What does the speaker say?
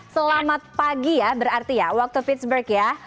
selamat pagi ya berarti ya waktu pitsburg ya